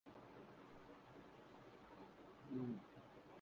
لوگوں کو بے چین کر دیتا ہوں